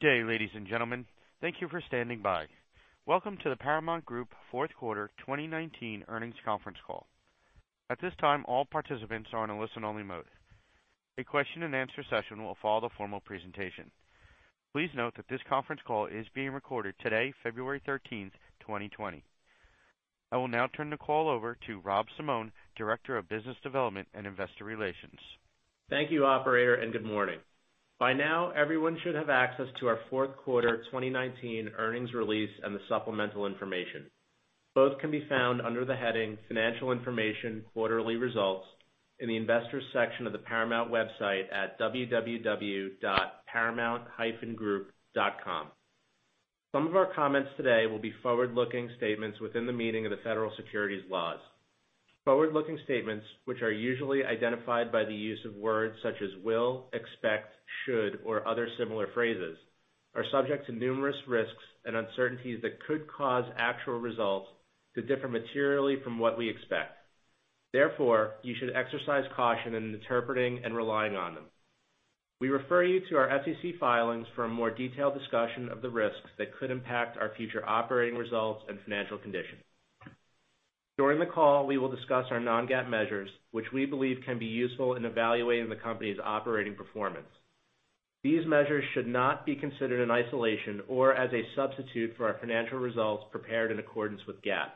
Good day, ladies and gentlemen. Thank you for standing by. Welcome to the Paramount Group fourth quarter 2019 earnings conference call. At this time, all participants are in a listen-only mode. A question and answer session will follow the formal presentation. Please note that this conference call is being recorded today, February 13th, 2020. I will now turn the call over to Rob Simone, Director of Business Development and Investor Relations. Thank you operator, and good morning. By now, everyone should have access to our fourth quarter 2019 earnings release and the supplemental information. Both can be found under the heading Financial Information Quarterly Results in the Investors section of the Paramount website at www.paramount-group.com. Some of our comments today will be forward-looking statements within the meaning of the Federal Securities laws. Forward-looking statements, which are usually identified by the use of words such as will, expect, should, or other similar phrases, are subject to numerous risks and uncertainties that could cause actual results to differ materially from what we expect. Therefore, you should exercise caution in interpreting and relying on them. We refer you to our SEC filings for a more detailed discussion of the risks that could impact our future operating results and financial condition. During the call, we will discuss our non-GAAP measures, which we believe can be useful in evaluating the company's operating performance. These measures should not be considered in isolation or as a substitute for our financial results prepared in accordance with GAAP.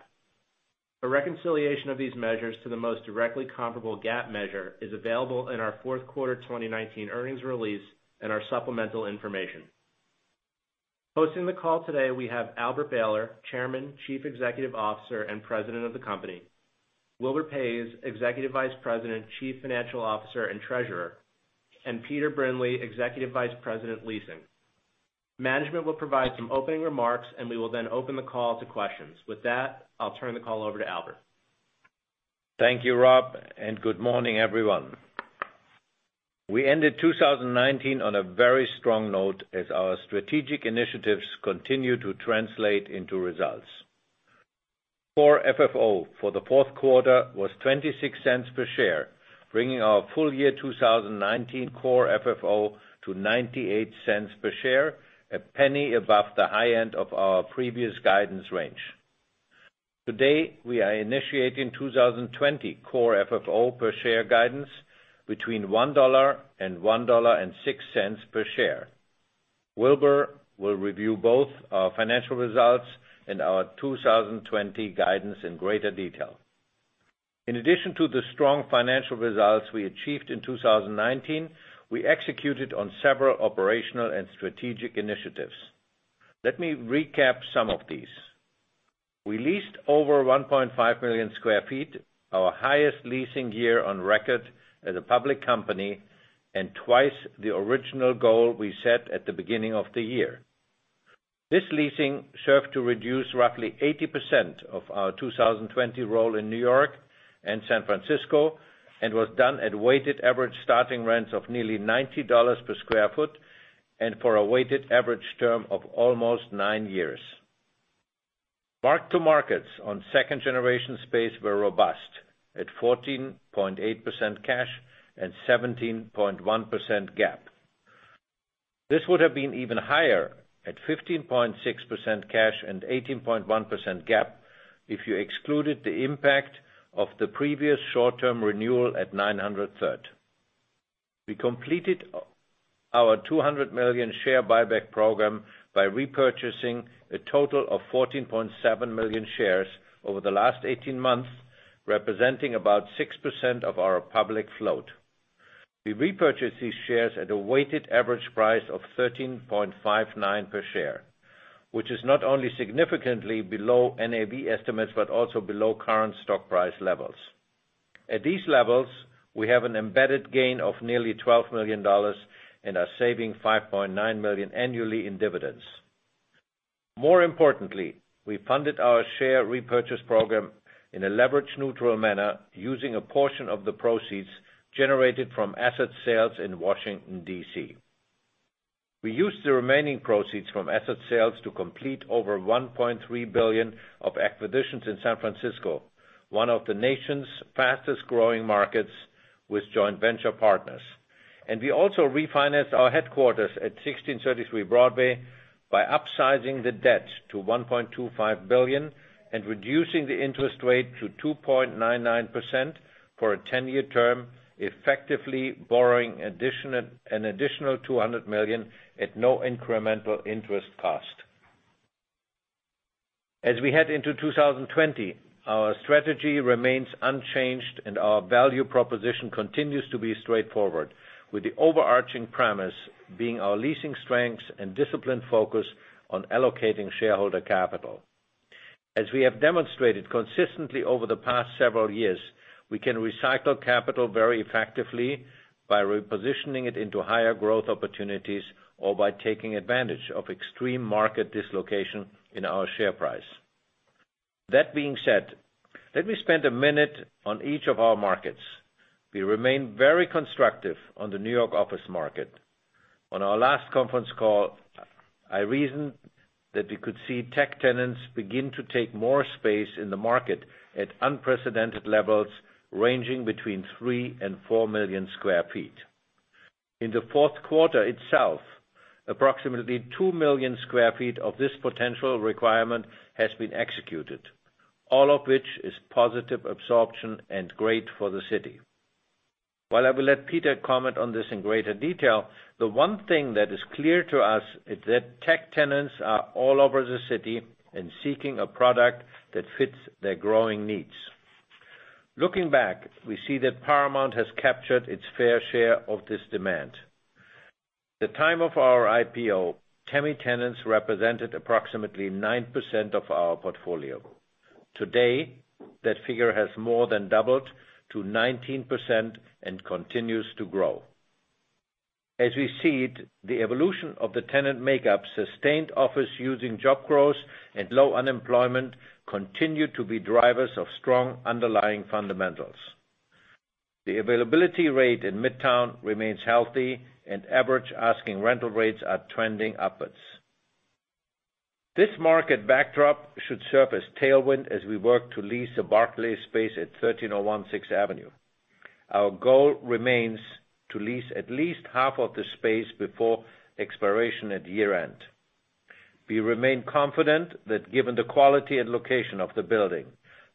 A reconciliation of these measures to the most directly comparable GAAP measure is available in our fourth quarter 2019 earnings release and our supplemental information. Hosting the call today, we have Albert Behler, Chairman, Chief Executive Officer, and President of the company, Wilbur Paes, Executive Vice President, Chief Financial Officer, and Treasurer, and Peter Brindley, Executive Vice President, Leasing. Management will provide some opening remarks, and we will then open the call to questions. With that, I'll turn the call over to Albert. Thank you, Rob, and good morning, everyone. We ended 2019 on a very strong note as our strategic initiatives continue to translate into results. Core FFO for the fourth quarter was $0.26 per share, bringing our full year 2019 Core FFO to $0.98 per share, $0.01 above the high end of our previous guidance range. Today, we are initiating 2020 Core FFO per share guidance between $1.00 and $1.06 per share. Wilbur will review both our financial results and our 2020 guidance in greater detail. In addition to the strong financial results we achieved in 2019, we executed on several operational and strategic initiatives. Let me recap some of these. We leased over 1.5 million sq ft, our highest leasing year on record as a public company, and twice the original goal we set at the beginning of the year. This leasing served to reduce roughly 80% of our 2020 roll in New York and San Francisco, and was done at weighted average starting rents of nearly $90 per square foot, and for a weighted average term of almost nine years. Mark-to-markets on second generation space were robust at 14.8% cash and 17.1% GAAP. This would have been even higher at 15.6% cash and 18.1% GAAP if you excluded the impact of the previous short-term renewal at 900 Third. We completed our $200 million share buyback program by repurchasing a total of 14.7 million shares over the last 18 months, representing about 6% of our public float. We repurchased these shares at a weighted average price of $13.59 per share, which is not only significantly below NAV estimates, but also below current stock price levels. At these levels, we have an embedded gain of nearly $12 million and are saving $5.9 million annually in dividends. More importantly, we funded our share repurchase program in a leverage neutral manner using a portion of the proceeds generated from asset sales in Washington, D.C. We used the remaining proceeds from asset sales to complete over $1.3 billion of acquisitions in San Francisco, one of the nation's fastest-growing markets with joint venture partners. We also refinanced our headquarters at 1633 Broadway by upsizing the debt to $1.25 billion and reducing the interest rate to 2.99% for a 10-year term, effectively borrowing an additional $200 million at no incremental interest cost. As we head into 2020, our strategy remains unchanged, and our value proposition continues to be straightforward, with the overarching premise being our leasing strengths and disciplined focus on allocating shareholder capital. As we have demonstrated consistently over the past several years, we can recycle capital very effectively by repositioning it into higher growth opportunities or by taking advantage of extreme market dislocation in our share price. That being said, let me spend a minute on each of our markets. We remain very constructive on the New York office market. On our last conference call, I reasoned that we could see tech tenants begin to take more space in the market at unprecedented levels, ranging between 3 million and 4 million sq ft. In the fourth quarter itself, approximately 2 million sq ft of this potential requirement has been executed, all of which is positive absorption and great for the city. While I will let Peter comment on this in greater detail, the one thing that is clear to us is that tech tenants are all over the city and seeking a product that fits their growing needs. Looking back, we see that Paramount has captured its fair share of this demand. The time of our IPO, TAMI tenants represented approximately 9% of our portfolio. Today, that figure has more than doubled to 19% and continues to grow. As we see it, the evolution of the tenant makeup, sustained office using job growth, and low unemployment, continue to be drivers of strong underlying fundamentals. The availability rate in Midtown remains healthy, and average asking rental rates are trending upwards. This market backdrop should serve as tailwind as we work to lease the Barclays space at 1301 6th Avenue. Our goal remains to lease at least half of the space before expiration at year-end. We remain confident that given the quality and location of the building,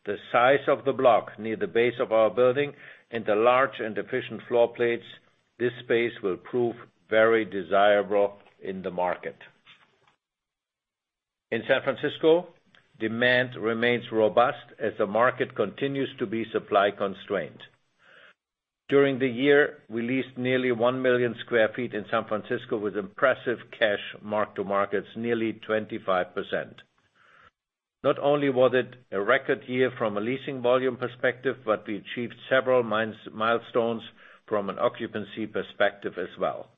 the size of the block near the base of our building, and the large and efficient floor plates, this space will prove very desirable in the market. In San Francisco, demand remains robust as the market continues to be supply constrained. During the year, we leased nearly 1 million sq ft in San Francisco with impressive cash mark-to-markets, nearly 25%. Not only was it a record year from a leasing volume perspective, but we achieved several milestones from an occupancy perspective as well.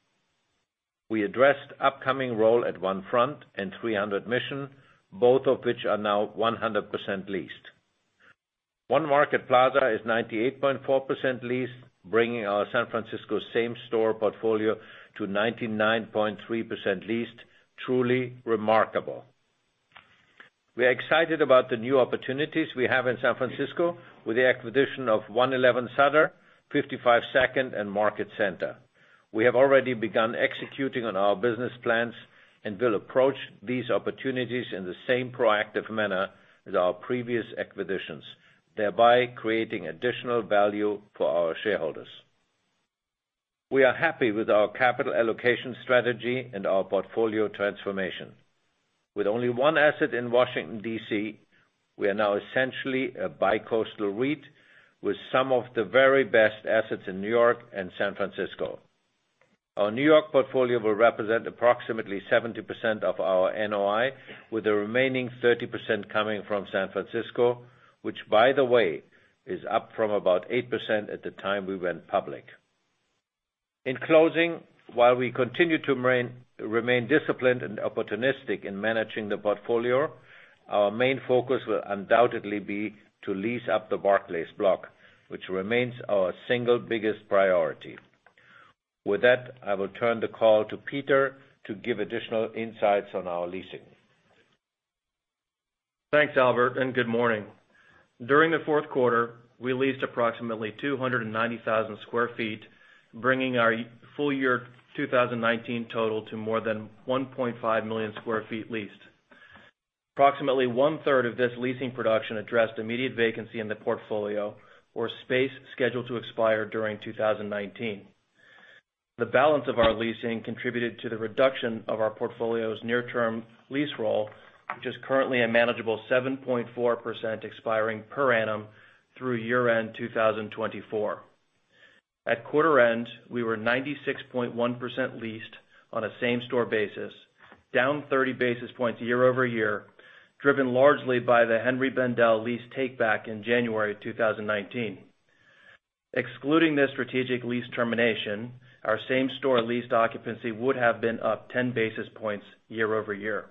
We addressed upcoming roll at One Front and 300 Mission, both of which are now 100% leased. One Market Plaza is 98.4% leased, bringing our San Francisco same-store portfolio to 99.3% leased. Truly remarkable. We are excited about the new opportunities we have in San Francisco with the acquisition of 111 Sutter, 55 Second, and Market Center. We have already begun executing on our business plans and will approach these opportunities in the same proactive manner as our previous acquisitions, thereby creating additional value for our shareholders. We are happy with our capital allocation strategy and our portfolio transformation. With only one asset in Washington, D.C., we are now essentially a bi-coastal REIT with some of the very best assets in New York and San Francisco. Our New York portfolio will represent approximately 70% of our NOI, with the remaining 30% coming from San Francisco, which by the way, is up from about 8% at the time we went public. In closing, while we continue to remain disciplined and opportunistic in managing the portfolio, our main focus will undoubtedly be to lease up the Barclays block, which remains our single biggest priority. With that, I will turn the call to Peter to give additional insights on our leasing. Thanks, Albert, and good morning. During the fourth quarter, we leased approximately 290,000 sq ft, bringing our full year 2019 total to more than 1.5 million sq ft leased. Approximately one-third of this leasing production addressed immediate vacancy in the portfolio, or space scheduled to expire during 2019. The balance of our leasing contributed to the reduction of our portfolio's near-term lease roll, which is currently a manageable 7.4% expiring per annum through year-end 2024. At quarter-end, we were 96.1% leased on a same-store basis, down 30 basis points year-over-year, driven largely by the Henri Bendel lease takeback in January 2019. Excluding this strategic lease termination, our same-store leased occupancy would have been up 10 basis points year-over-year.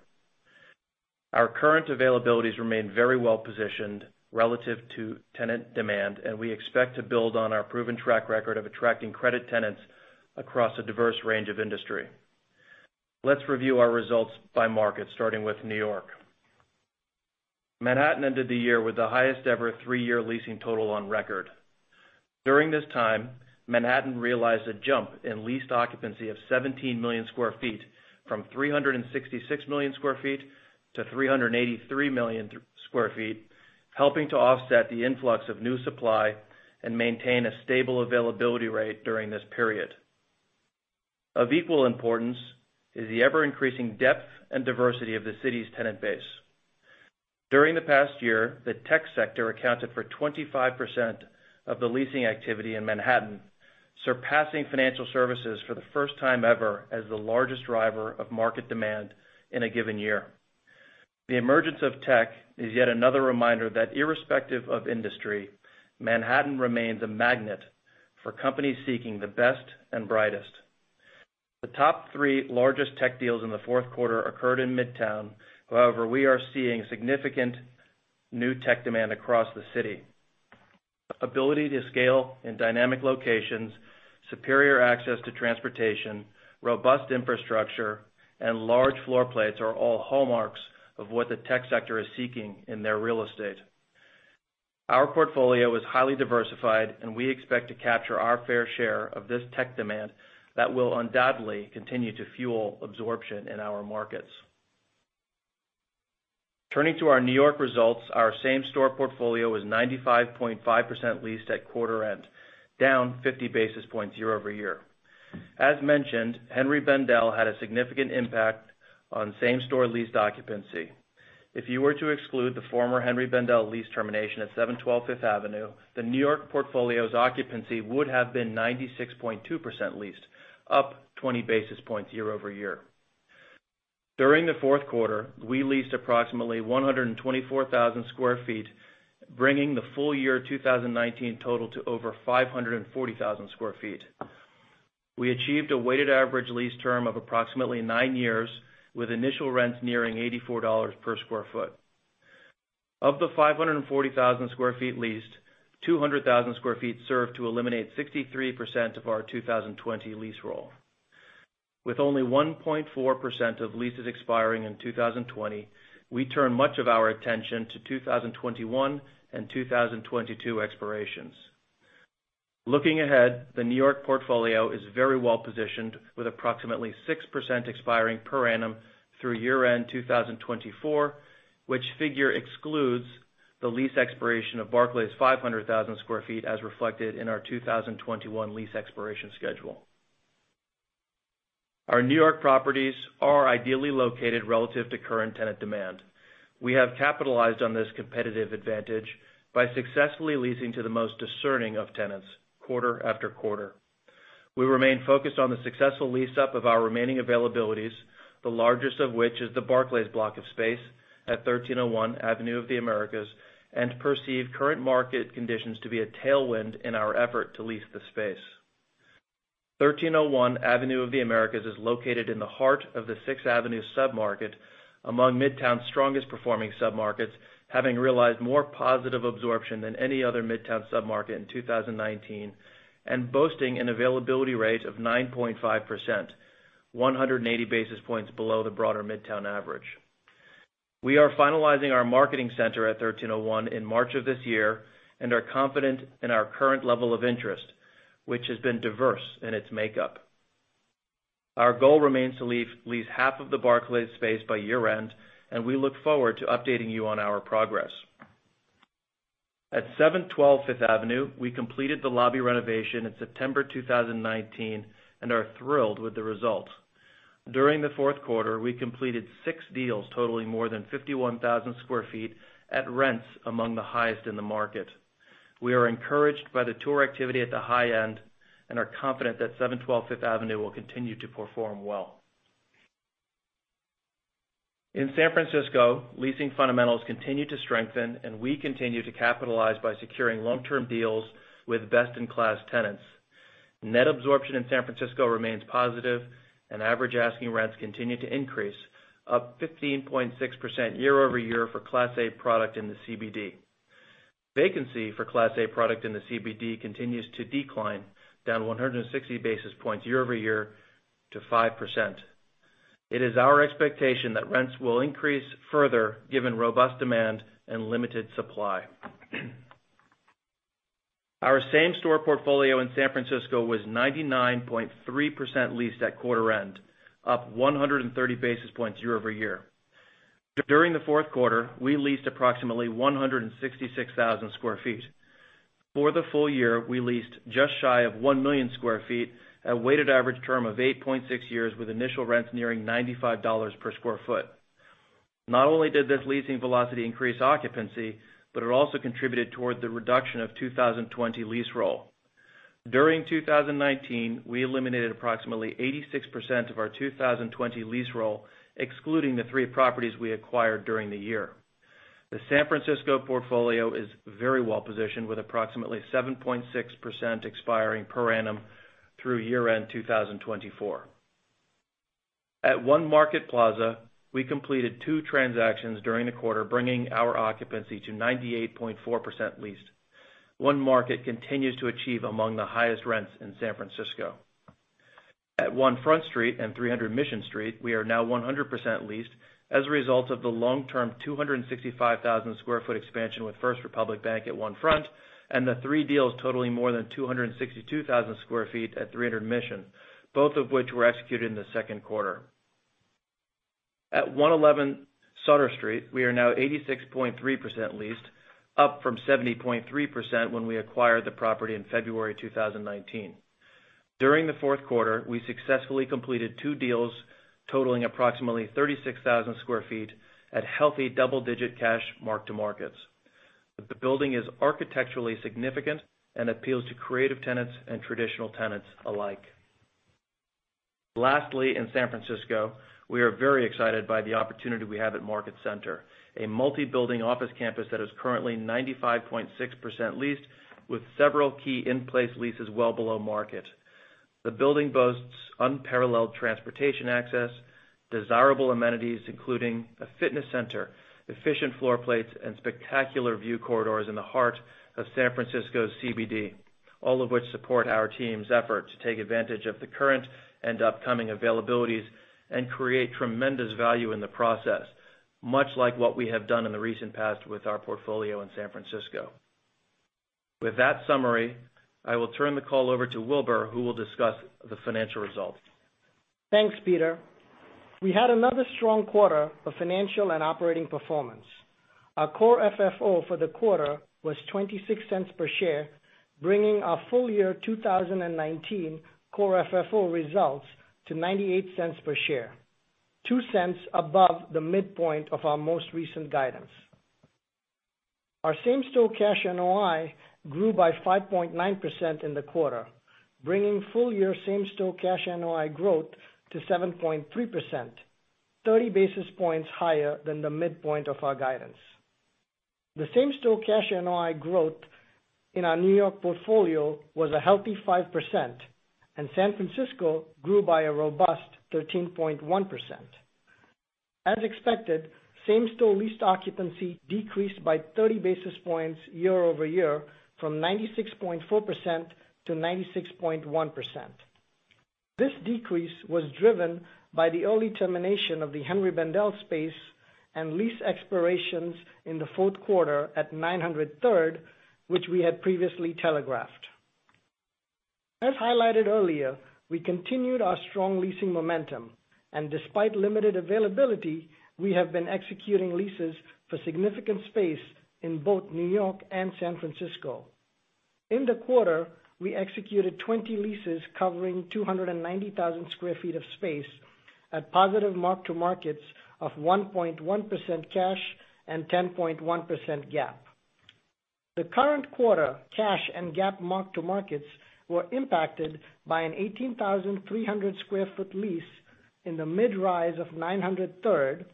Our current availabilities remain very well positioned relative to tenant demand, and we expect to build on our proven track record of attracting credit tenants across a diverse range of industry. Let's review our results by market, starting with New York. Manhattan ended the year with the highest-ever three-year leasing total on record. During this time, Manhattan realized a jump in leased occupancy of 17 million sq ft, from 366 million sq ft to 383 million sq ft, helping to offset the influx of new supply and maintain a stable availability rate during this period. Of equal importance is the ever-increasing depth and diversity of the city's tenant base. During the past year, the tech sector accounted for 25% of the leasing activity in Manhattan, surpassing financial services for the first time ever as the largest driver of market demand in a given year. The emergence of tech is yet another reminder that irrespective of industry, Manhattan remains a magnet for companies seeking the best and brightest. The top three largest tech deals in the fourth quarter occurred in Midtown. We are seeing significant new tech demand across the city. Ability to scale in dynamic locations, superior access to transportation, robust infrastructure, and large floor plates are all hallmarks of what the tech sector is seeking in their real estate. Our portfolio is highly diversified. We expect to capture our fair share of this tech demand that will undoubtedly continue to fuel absorption in our markets. Turning to our New York results, our same-store portfolio was 95.5% leased at quarter end, down 50 basis points year-over-year. As mentioned, Henri Bendel had a significant impact on same-store leased occupancy. If you were to exclude the former Henri Bendel lease termination at 712 5th Avenue, the New York portfolio's occupancy would have been 96.2% leased, up 20 basis points year-over-year. During the fourth quarter, we leased approximately 124,000 sq ft, bringing the full year 2019 total to over 540,000 sq ft. We achieved a weighted average lease term of approximately nine years, with initial rents nearing $84 per square foot. Of the 540,000 sq ft leased, 200,000 sq ft served to eliminate 63% of our 2020 lease roll. With only 1.4% of leases expiring in 2020, we turn much of our attention to 2021 and 2022 expirations. Looking ahead, the New York portfolio is very well positioned, with approximately 6% expiring per annum through year-end 2024, which figure excludes the lease expiration of Barclays' 500,000 sq ft as reflected in our 2021 lease expiration schedule. Our New York properties are ideally located relative to current tenant demand. We have capitalized on this competitive advantage by successfully leasing to the most discerning of tenants quarter-after-quarter. We remain focused on the successful lease up of our remaining availabilities, the largest of which is the Barclays block of space at 1301 Avenue of the Americas, and perceive current market conditions to be a tailwind in our effort to lease the space. 1301 Avenue of the Americas is located in the heart of the 6th Avenue submarket among Midtown's strongest performing submarkets, having realized more positive absorption than any other Midtown submarket in 2019, and boasting an availability rate of 9.5%, 180 basis points below the broader Midtown average. We are finalizing our marketing center at 1301 in March of this year and are confident in our current level of interest, which has been diverse in its makeup. Our goal remains to lease half of the Barclays space by year-end. We look forward to updating you on our progress. At 712 5th Avenue, we completed the lobby renovation in September 2019 and are thrilled with the result. During the fourth quarter, we completed six deals totaling more than 51,000 sq ft at rents among the highest in the market. We are encouraged by the tour activity at the high end and are confident that 712 5th Avenue will continue to perform well. In San Francisco, leasing fundamentals continue to strengthen. We continue to capitalize by securing long-term deals with best-in-class tenants. Net absorption in San Francisco remains positive and average asking rents continue to increase, up 15.6% year-over-year for Class A product in the CBD. Vacancy for Class A product in the CBD continues to decline, down 160 basis points year-over-year to 5%. It is our expectation that rents will increase further given robust demand and limited supply. Our same store portfolio in San Francisco was 99.3% leased at quarter end, up 130 basis points year-over-year. During the fourth quarter, we leased approximately 166,000 sq ft. For the full year, we leased just shy of 1 million sq ft at a weighted average term of 8.6 years with initial rents nearing $95 per sq ft. Not only did this leasing velocity increase occupancy, but it also contributed toward the reduction of 2020 lease roll. During 2019, we eliminated approximately 86% of our 2020 lease roll, excluding the three properties we acquired during the year. The San Francisco portfolio is very well positioned, with approximately 7.6% expiring per annum through year-end 2024. At One Market Plaza, we completed two transactions during the quarter, bringing our occupancy to 98.4% leased. One Market continues to achieve among the highest rents in San Francisco. At One Front Street and 300 Mission Street, we are now 100% leased as a result of the long-term 265,000 square foot expansion with First Republic Bank at One Front and the three deals totaling more than 262,000 sq ft at 300 Mission, both of which were executed in the second quarter. At 111 Sutter Street, we are now 86.3% leased, up from 70.3% when we acquired the property in February 2019. During the fourth quarter, we successfully completed two deals totaling approximately 36,000 sq ft at healthy double-digit cash mark-to-markets. The building is architecturally significant and appeals to creative tenants and traditional tenants alike. In San Francisco, we are very excited by the opportunity we have at Market Center, a multi-building office campus that is currently 95.6% leased with several key in-place leases well below market. The building boasts unparalleled transportation access, desirable amenities including a fitness center, efficient floor plates, and spectacular view corridors in the heart of San Francisco's CBD. All of which support our team's effort to take advantage of the current and upcoming availabilities and create tremendous value in the process, much like what we have done in the recent past with our portfolio in San Francisco. With that summary, I will turn the call over to Wilbur, who will discuss the financial results. Thanks, Peter. We had another strong quarter of financial and operating performance. Our Core FFO for the quarter was $0.26 per share, bringing our full year 2019 Core FFO results to $0.98 per share, $0.02 above the midpoint of our most recent guidance. Our Same-Store Cash NOI grew by 5.9% in the quarter, bringing full-year Same-Store Cash NOI growth to 7.3%, 30 basis points higher than the midpoint of our guidance. The Same-Store Cash NOI growth in our New York portfolio was a healthy 5%, and San Francisco grew by a robust 13.1%. As expected, same-store lease occupancy decreased by 30 basis points year-over-year, from 96.4% to 96.1%. This decrease was driven by the early termination of the Henri Bendel space and lease expirations in the fourth quarter at 900 Third, which we had previously telegraphed. As highlighted earlier, we continued our strong leasing momentum, and despite limited availability, we have been executing leases for significant space in both New York and San Francisco. In the quarter, we executed 20 leases covering 290,000 sq ft of space at positive mark-to-markets of 1.1% cash and 10.1% GAAP. The current quarter cash and GAAP mark-to-markets were impacted by an 18,300 square foot lease in the midrise of 900 Third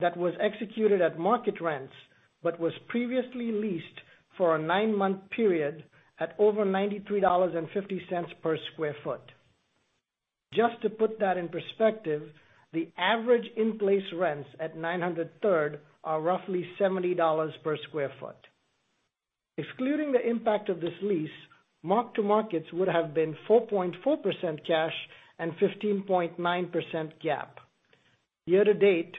that was executed at market rents but was previously leased for a nine-month period at over $93.50 per square foot. Just to put that in perspective, the average in-place rents at 900 Third are roughly $70 per square foot. Excluding the impact of this lease, mark-to-markets would have been 4.4% cash and 15.9% GAAP. Year-to-date,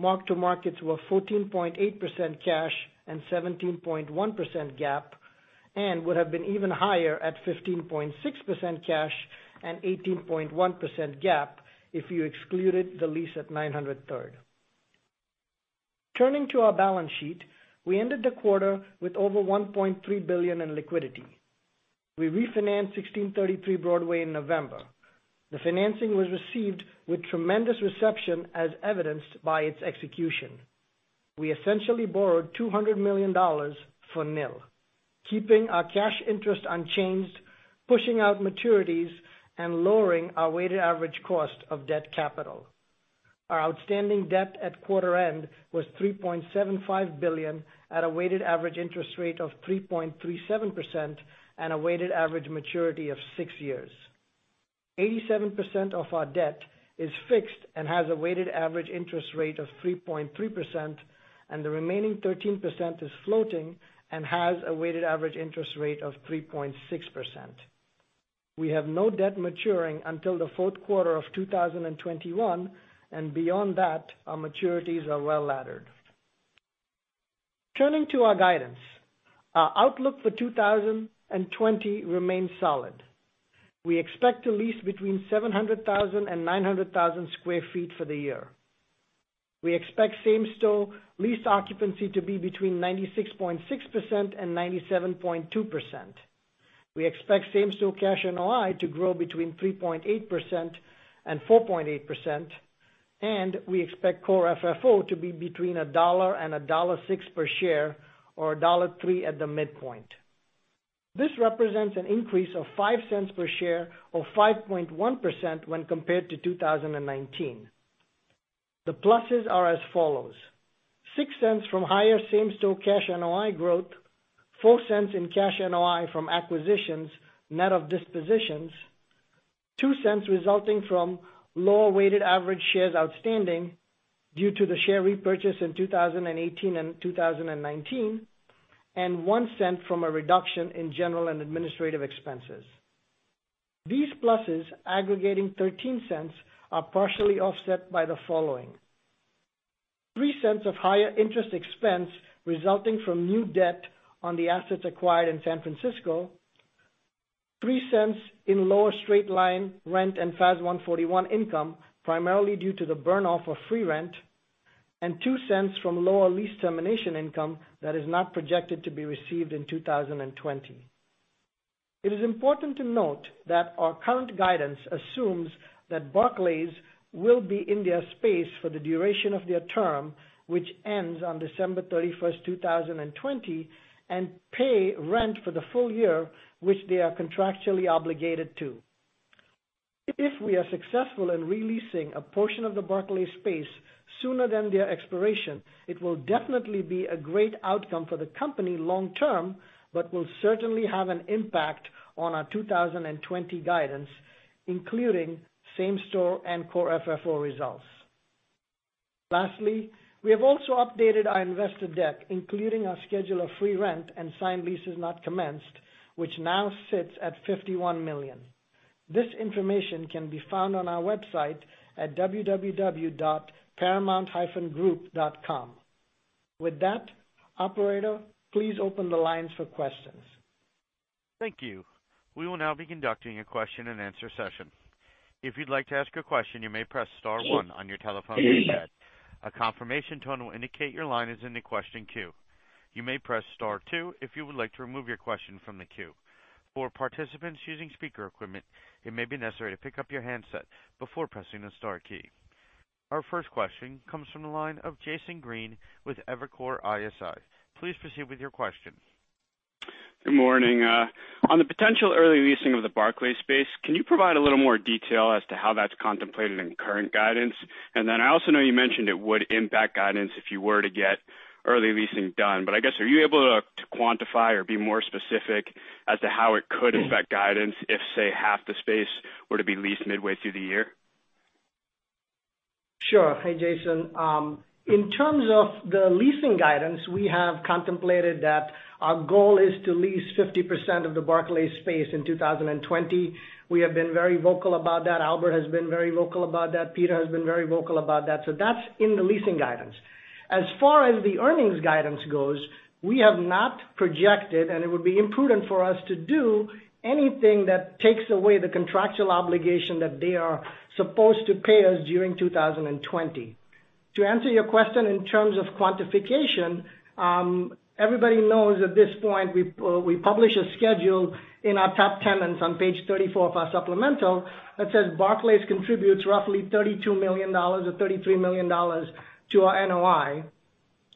mark-to-markets were 14.8% cash and 17.1% GAAP and would have been even higher at 15.6% cash and 18.1% GAAP if you excluded the lease at 900 Third. Turning to our balance sheet, we ended the quarter with over $1.3 billion in liquidity. We refinanced 1633 Broadway in November. The financing was received with tremendous reception as evidenced by its execution. We essentially borrowed $200 million for nil, keeping our cash interest unchanged, pushing out maturities, and lowering our weighted average cost of debt capital. Our outstanding debt at quarter end was $3.75 billion at a weighted average interest rate of 3.37% and a weighted average maturity of six years. 87% of our debt is fixed and has a weighted average interest rate of 3.3%, and the remaining 13% is floating and has a weighted average interest rate of 3.6%. We have no debt maturing until the fourth quarter of 2021, and beyond that, our maturities are well-laddered. Turning to our guidance. Our outlook for 2020 remains solid. We expect to lease between 700,000 sq ft and 900,000 sq ft for the year. We expect same-store lease occupancy to be between 96.6% and 97.2%. We expect Same-Store Cash NOI to grow between 3.8% and 4.8% and we expect Core FFO to be between $1.00 and $1.06 per share, or $1.03 at the midpoint. This represents an increase of $0.05 per share or 5.1% when compared to 2019. The pluses are as follows: $0.06 from higher Same-Store Cash NOI growth, $0.04 in Cash NOI from acquisitions net of dispositions, $0.02 resulting from lower weighted average shares outstanding due to the share repurchase in 2018 and 2019, and $0.01 from a reduction in general and administrative expenses. These pluses aggregating $0.13 are partially offset by the following: $0.03 of higher interest expense resulting from new debt on the assets acquired in San Francisco, $0.03 in lower straight-line rent and FAS 141 income, primarily due to the burn-off of free rent, and $0.02 from lower lease termination income that is not projected to be received in 2020. It is important to note that our current guidance assumes that Barclays will be in their space for the duration of their term, which ends on December 31st, 2020, and pay rent for the full year, which they are contractually obligated to. If we are successful in re-leasing a portion of the Barclays space sooner than their expiration, it will definitely be a great outcome for the company long-term, but will certainly have an impact on our 2020 guidance, including same-store and Core FFO results. Lastly, we have also updated our investor deck, including our schedule of free rent and signed leases not commenced, which now sits at $51 million. This information can be found on our website at www.paramount-group.com. With that, operator, please open the lines for questions. Thank you. We will now be conducting a question and answer session. If you'd like to ask a question, you may press star one on your telephone keypad. A confirmation tone will indicate your line is in the question queue. You may press star two if you would like to remove your question from the queue. For participants using speaker equipment, it may be necessary to pick up your handset before pressing the star key. Our first question comes from the line of Jason Green with Evercore ISI. Please proceed with your question. Good morning. On the potential early leasing of the Barclays space, can you provide a little more detail as to how that's contemplated in current guidance? I also know you mentioned it would impact guidance if you were to get early leasing done, I guess, are you able to quantify or be more specific as to how it could affect guidance if, say, half the space were to be leased midway through the year? Sure. Hey, Jason. In terms of the leasing guidance, we have contemplated that our goal is to lease 50% of the Barclays space in 2020. We have been very vocal about that. Albert has been very vocal about that. Peter has been very vocal about that. That's in the leasing guidance. As far as the earnings guidance goes, we have not projected, and it would be imprudent for us to do anything that takes away the contractual obligation that they are supposed to pay us during 2020. To answer your question in terms of quantification, everybody knows at this point, we publish a schedule in our top tenants on page 34 of our supplemental that says Barclays contributes roughly $32 million or $33 million to our NOI.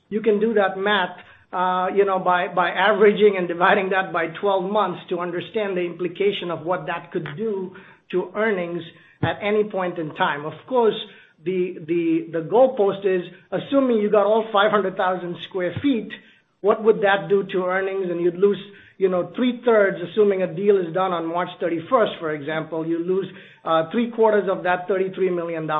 You can do that math by averaging and dividing that by 12 months to understand the implication of what that could do to earnings at any point in time. Of course, the goalpost is assuming you got all 500,000 sq ft, what would that do to earnings? You'd lose 3/3, assuming a deal is done on March 31st, for example, you lose three-quarters of that $33 million.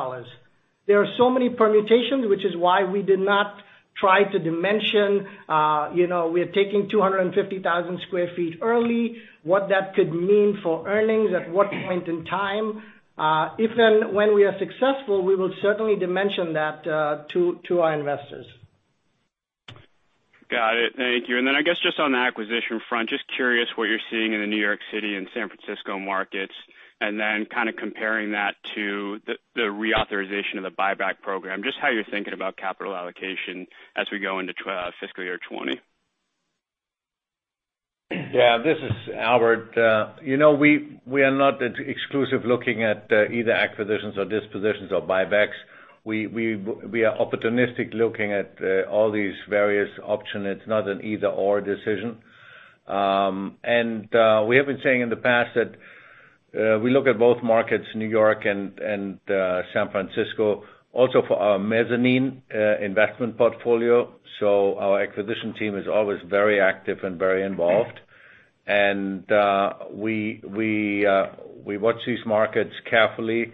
There are so many permutations, which is why we did not try to dimension. We are taking 250,000 sq ft early, what that could mean for earnings at what point in time. If and when we are successful, we will certainly dimension that to our investors. Got it. Thank you. I guess just on the acquisition front, just curious what you're seeing in the New York City and San Francisco markets, and then kind of comparing that to the reauthorization of the buyback program, just how you're thinking about capital allocation as we go into fiscal year 2020. This is Albert. We are not exclusive looking at either acquisitions or dispositions or buybacks. We are opportunistic looking at all these various options. It's not an either/or decision. We have been saying in the past that we look at both markets, New York and San Francisco, also for our mezzanine investment portfolio. Our acquisition team is always very active and very involved. We watch these markets carefully.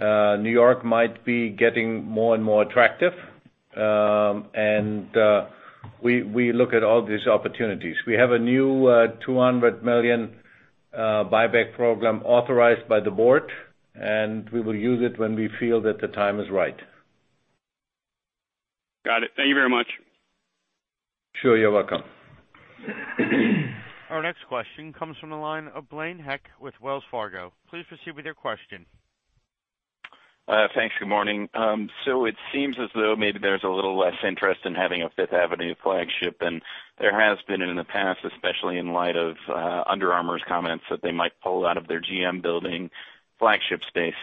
New York might be getting more and more attractive. We look at all these opportunities. We have a new $200 million buyback program authorized by the board, and we will use it when we feel that the time is right. Got it. Thank you very much. Sure. You're welcome. Our next question comes from the line of Blaine Heck with Wells Fargo. Please proceed with your question. Thanks. Good morning. It seems as though maybe there's a little less interest in having a 5th Avenue flagship than there has been in the past, especially in light of Under Armour's comments that they might pull out of their GM Building flagship space.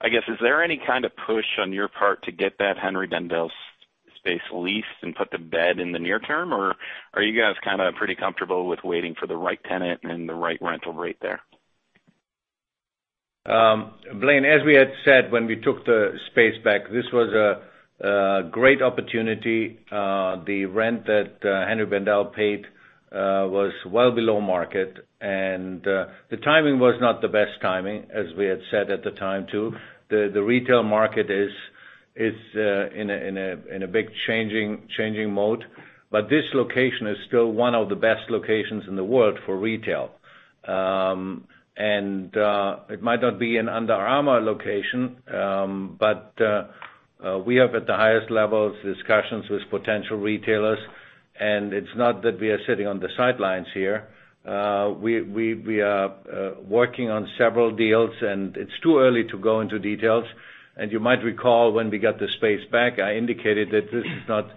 I guess, is there any kind of push on your part to get that Henri Bendel space leased and put to bed in the near-term, or are you guys kind of pretty comfortable with waiting for the right tenant and the right rental rate there? Blaine, as we had said when we took the space back, this was a great opportunity. The rent that Henri Bendel paid was well below market. The timing was not the best timing, as we had said at the time, too. This location is still one of the best locations in the world for retail. It might not be an Under Armour location. We have at the highest levels discussions with potential retailers. It's not that we are sitting on the sidelines here. We are working on several deals. It's too early to go into details. You might recall when we got the space back, I indicated that this is not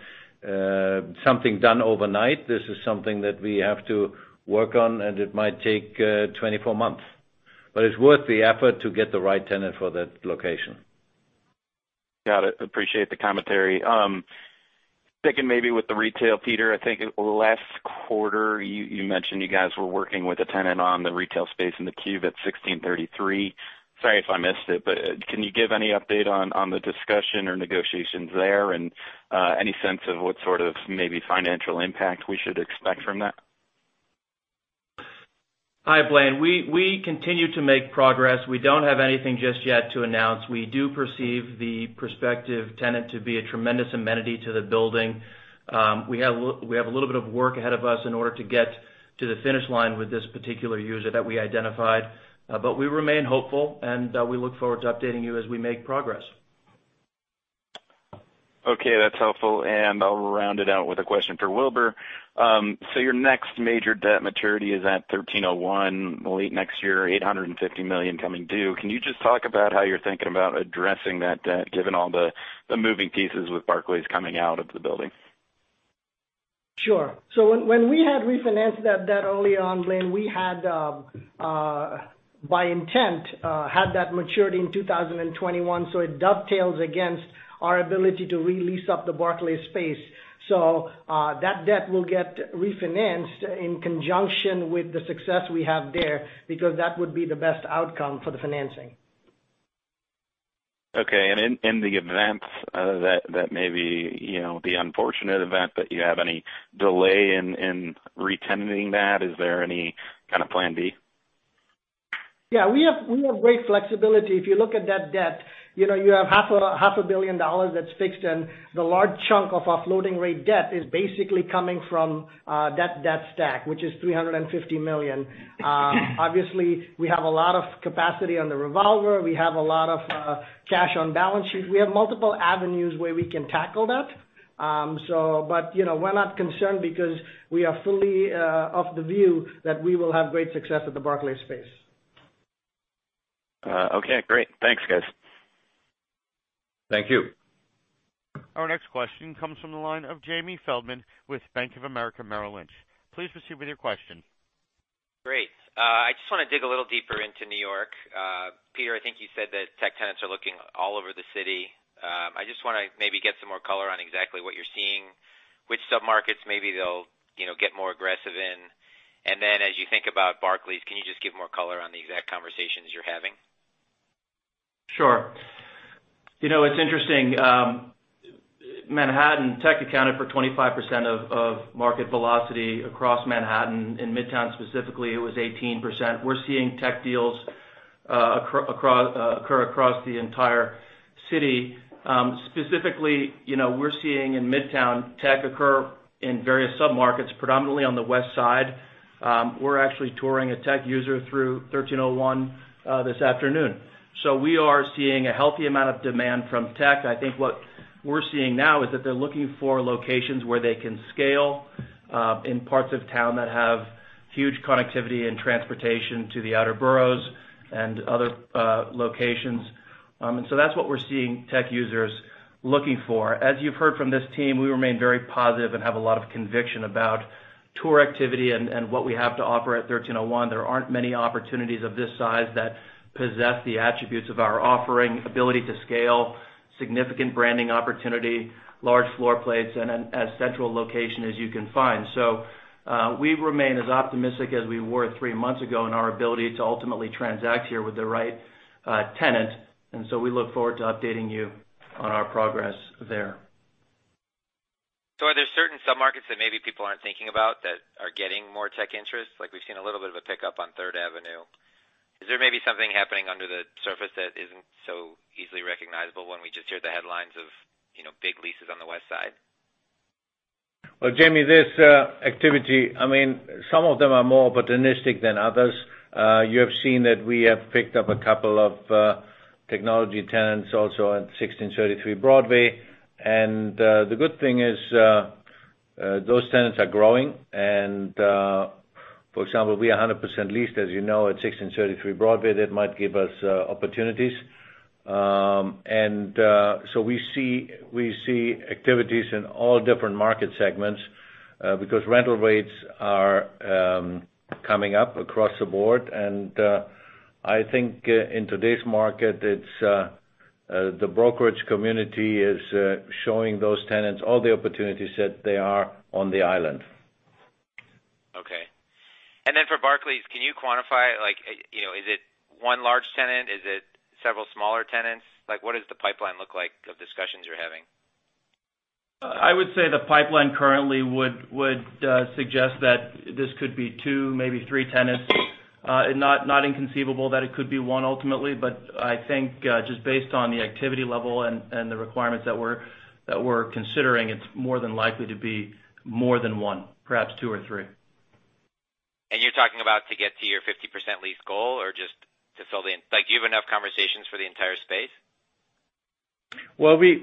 something done overnight. This is something that we have to work on. It might take 24 months. It's worth the effort to get the right tenant for that location. Got it. Appreciate the commentary. Sticking maybe with the retail, Peter, I think last quarter, you mentioned you guys were working with a tenant on the retail space in The Cube at 1633. Sorry if I missed it, but can you give any update on the discussion or negotiations there and any sense of what sort of maybe financial impact we should expect from that? Hi, Blaine. We continue to make progress. We don't have anything just yet to announce. We do perceive the prospective tenant to be a tremendous amenity to the building. We have a little bit of work ahead of us in order to get to the finish line with this particular user that we identified. We remain hopeful, and we look forward to updating you as we make progress. Okay, that's helpful. I'll round it out with a question for Wilbur. Your next major debt maturity is at 1301, late next year, $850 million coming due. Can you just talk about how you're thinking about addressing that debt, given all the moving pieces with Barclays coming out of the building? Sure. When we had refinanced that debt early on, Blaine, we, by intent, had that maturity in 2021, so it dovetails against our ability to re-lease up the Barclays space. That debt will get refinanced in conjunction with the success we have there, because that would be the best outcome for the financing. Okay. In the event that maybe the unfortunate event that you have any delay in re-tenanting that, is there any kind of plan B? Yeah. We have great flexibility. If you look at that debt, you have $500 million that's fixed, and the large chunk of our floating rate debt is basically coming from that debt stack, which is $350 million. Obviously, we have a lot of capacity on the revolver. We have a lot of cash on balance sheet. We have multiple avenues where we can tackle that. We're not concerned because we are fully of the view that we will have great success with the Barclays space. Okay, great. Thanks, guys. Thank you. Our next question comes from the line of Jamie Feldman with Bank of America Merrill Lynch. Please proceed with your question. Great. I just want to dig a little deeper into New York. Peter, I think you said that tech tenants are looking all over the city. I just want to maybe get some more color on exactly what you're seeing, which sub-markets maybe they'll get more aggressive in. As you think about Barclays, can you just give more color on the exact conversations you're having? Sure. It's interesting. Manhattan tech accounted for 25% of market velocity across Manhattan. In Midtown specifically, it was 18%. We're seeing tech deals occur across the entire city. Specifically, we're seeing in Midtown, tech occur in various sub-markets, predominantly on the West Side. We're actually touring a tech user through 1301 this afternoon. We are seeing a healthy amount of demand from tech. I think what we're seeing now is that they're looking for locations where they can scale, in parts of town that have huge connectivity and transportation to the outer boroughs and other locations. That's what we're seeing tech users looking for. As you've heard from this team, we remain very positive and have a lot of conviction about tour activity and what we have to offer at 1301. There aren't many opportunities of this size that possess the attributes of our offering, ability to scale, significant branding opportunity, large floor plates, and as central location as you can find. We remain as optimistic as we were three months ago in our ability to ultimately transact here with the right tenant. We look forward to updating you on our progress there. Are there certain sub-markets that maybe people aren't thinking about that are getting more tech interest? Like we've seen a little bit of a pickup on 3rd Avenue. Is there maybe something happening under the surface that isn't so easily recognizable when we just hear the headlines of big leases on the West Side? Well, Jamie, this activity, some of them are more opportunistic than others. You have seen that we have picked up a couple of technology tenants also at 1633 Broadway. The good thing is those tenants are growing and, for example, we are 100% leased, as you know, at 1633 Broadway. We see activities in all different market segments because rental rates are coming up across the board. I think in today's market, the brokerage community is showing those tenants all the opportunities that there are on the island. Okay. For Barclays, can you quantify, is it one large tenant? Is it several smaller tenants? What does the pipeline look like of discussions you're having? I would say the pipeline currently would suggest that this could be two, maybe three tenants. Not inconceivable that it could be one ultimately, but I think just based on the activity level and the requirements that we're considering, it's more than likely to be more than one, perhaps two or three. You're talking about to get to your 50% lease goal? Do you have enough conversations for the entire space? Well, this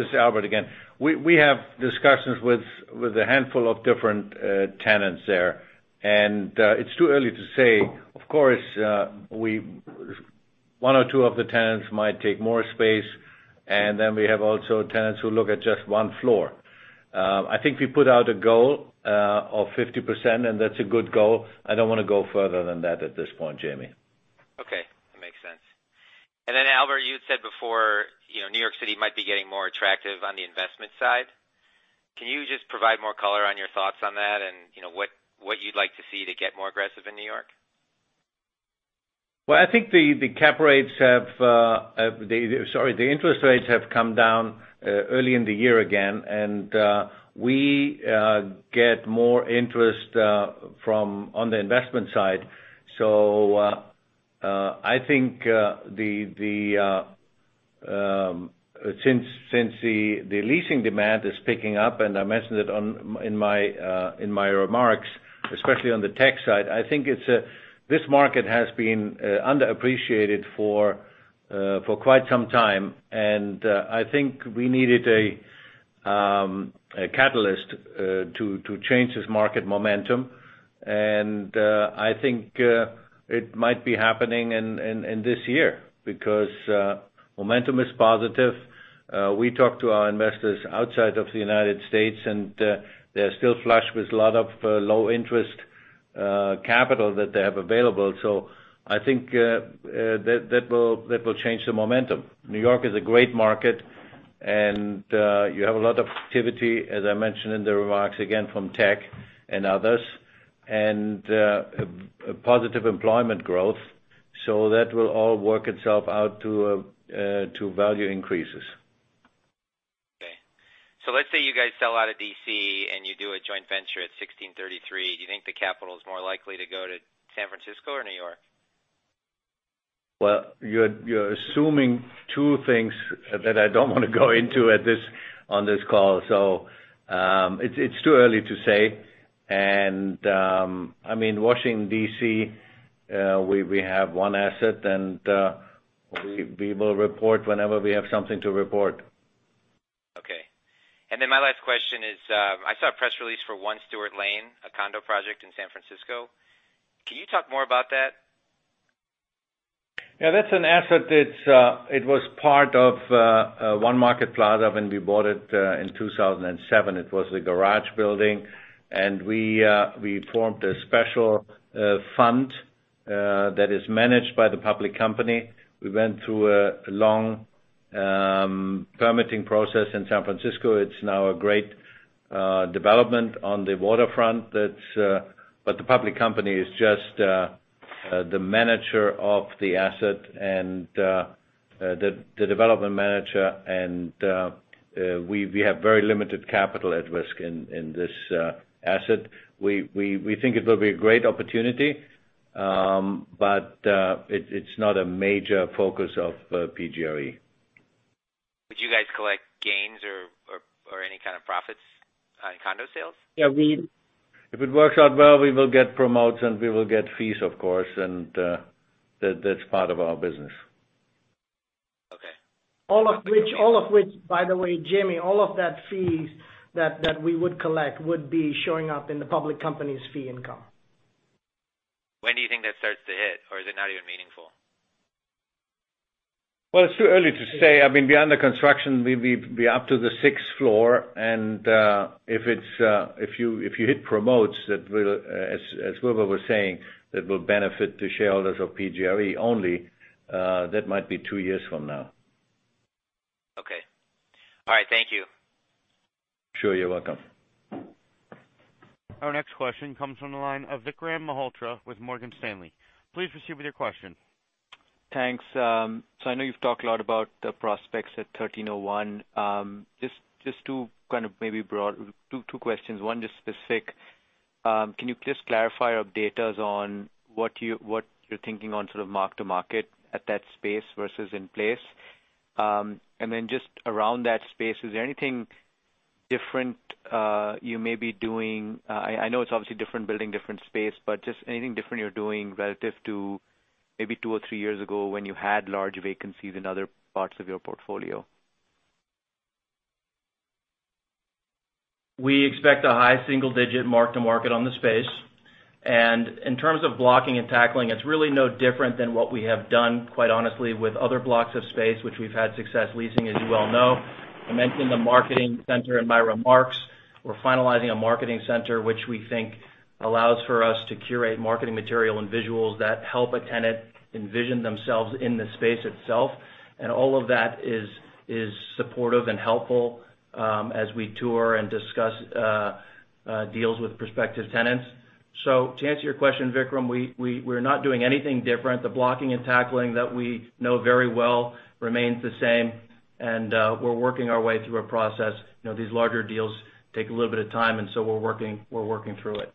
is Albert again. We have discussions with a handful of different tenants there, and it's too early to say. Of course, one or two of the tenants might take more space, and then we have also tenants who look at just one floor. I think we put out a goal of 50%, and that's a good goal. I don't want to go further than that at this point, Jamie. Okay. That makes sense. Then Albert, you had said before New York City might be getting more attractive on the investment side. Can you just provide more color on your thoughts on that and what you'd like to see to get more aggressive in New York? Well, I think the interest rates have come down early in the year again, and we get more interest on the investment side. I think since the leasing demand is picking up, and I mentioned it in my remarks, especially on the tech side, I think this market has been underappreciated for quite some time, and I think we needed a catalyst to change this market momentum. I think it might be happening in this year because momentum is positive. We talk to our investors outside of the United States, and they're still flush with a lot of low-interest capital that they have available. I think that will change the momentum. New York is a great market, and you have a lot of activity, as I mentioned in the remarks, again, from tech and others, and a positive employment growth. That will all work itself out to value increases. Okay. Let's say you guys sell out of D.C. and you do a joint venture at 1633. Do you think the capital is more likely to go to San Francisco or New York? Well, you're assuming two things that I don't want to go into on this call. It's too early to say. Washington D.C., we have one asset, and we will report whenever we have something to report. Okay. My last question is, I saw a press release for One Steuart Lane, a condo project in San Francisco. Can you talk more about that? Yeah, that's an asset. It was part of One Market Plaza when we bought it in 2007. It was the garage building. We formed a special fund that is managed by the public company. We went through a long permitting process in San Francisco. It's now a great development on the waterfront, but the public company is just the manager of the asset and the development manager, and we have very limited capital at risk in this asset. We think it will be a great opportunity, but it's not a major focus of PGRE. Would you guys collect gains or any kind of profits on condo sales? If it works out well, we will get promotes and we will get fees, of course, and that's part of our business. Okay. All of which, by the way, Jamie, all of that fees that we would collect would be showing up in the public company's fee income. When do you think that starts to hit? Or is it not even meaningful? Well, it's too early to say. We're under construction. We're up to the sixth floor, and if you hit promotes, as Wilbur was saying, that will benefit the shareholders of PGRE only. That might be two years from now. Okay. All right. Thank you. Sure. You're welcome. Our next question comes from the line of Vikram Malhotra with Morgan Stanley. Please proceed with your question. Thanks. I know you've talked a lot about the prospects at 1301. Just two questions, one just specific. Can you please clarify or update us on what you're thinking on sort of mark-to-market at that space versus in place? Just around that space, is there anything different you may be doing? I know it's obviously different building, different space, but just anything different you're doing relative to maybe two or three years ago when you had large vacancies in other parts of your portfolio? We expect a high single-digit mark-to-market on the space. In terms of blocking and tackling, it's really no different than what we have done, quite honestly, with other blocks of space, which we've had success leasing, as you well know. I mentioned the marketing center in my remarks. We're finalizing a marketing center, which we think allows for us to curate marketing material and visuals that help a tenant envision themselves in the space itself. All of that is supportive and helpful as we tour and discuss deals with prospective tenants. To answer your question, Vikram, we're not doing anything different. The blocking and tackling that we know very well remains the same, and we're working our way through a process. These larger deals take a little bit of time, and so we're working through it.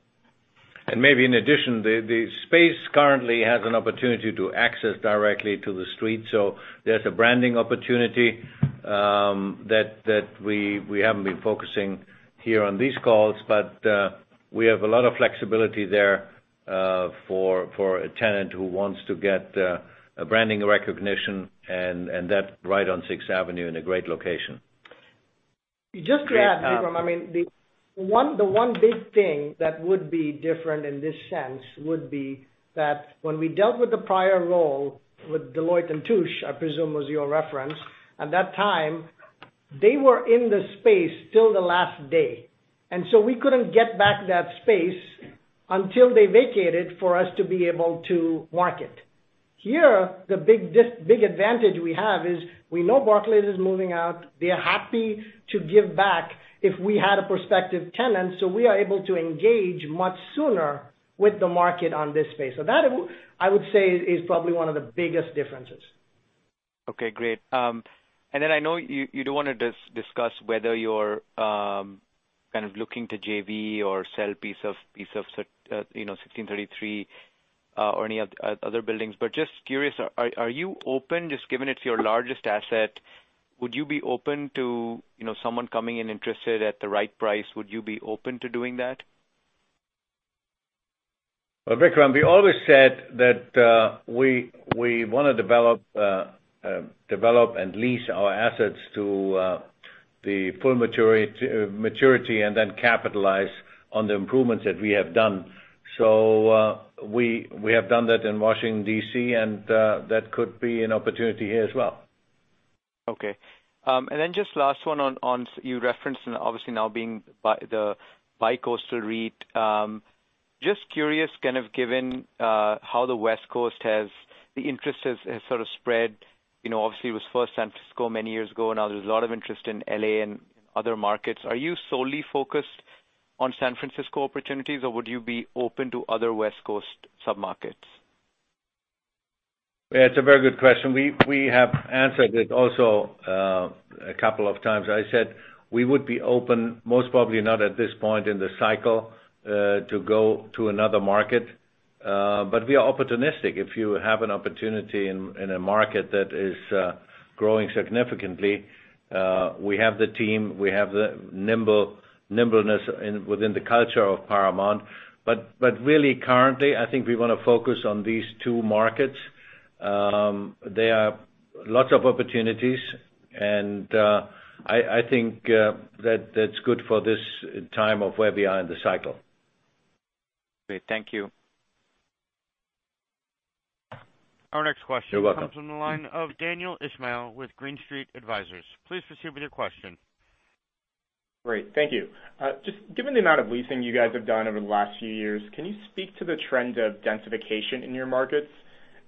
Maybe in addition, the space currently has an opportunity to access directly to the street. There's a branding opportunity that we haven't been focusing here on these calls, but we have a lot of flexibility there for a tenant who wants to get a branding recognition and that right on 6th Avenue in a great location. Just to add, Vikram, the one big thing that would be different in this sense would be that when we dealt with the prior role with Deloitte & Touche, I presume was your reference. At that time, they were in the space till the last day, and so we couldn't get back that space until they vacated for us to be able to market. Here, the big advantage we have is we know Barclays is moving out. They're happy to give back if we had a prospective tenant. We are able to engage much sooner with the market on this space. That, I would say, is probably one of the biggest differences. Okay, great. I know you don't want to discuss whether you're looking to JV or sell piece of 1633, or any other buildings. Just curious, are you open, just given it's your largest asset, would you be open to someone coming in interested at the right price? Would you be open to doing that? Well, Vikram, we always said that we want to develop and lease our assets to the full maturity, and then capitalize on the improvements that we have done. We have done that in Washington, D.C., and that could be an opportunity here as well. Okay. Just last one on, you referenced and obviously now being the bicoastal REIT. Just curious, kind of given how the interest has sort of spread, obviously it was first San Francisco many years ago, now there's a lot of interest in L.A. and other markets. Are you solely focused on San Francisco opportunities, or would you be open to other West Coast sub-markets? Yeah, it's a very good question. We have answered it also a couple of times. I said we would be open, most probably not at this point in the cycle, to go to another market. We are opportunistic. If you have an opportunity in a market that is growing significantly, we have the team, we have the nimbleness within the culture of Paramount. Really currently, I think we want to focus on these two markets. There are lots of opportunities, and I think that's good for this time of where we are in the cycle. Great, thank you. Our next question- You're welcome. Comes from the line of Daniel Ismail with Green Street Advisors. Please proceed with your question. Great. Thank you. Just given the amount of leasing you guys have done over the last few years, can you speak to the trend of densification in your markets?